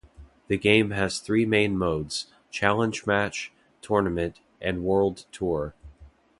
The game has three main modes: Challenge match, Tournament and World Tour.